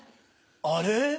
あれ？